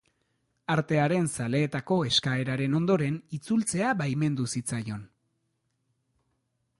Artearen zaleetako eskaeraren ondoren itzultzea baimendu zitzaion.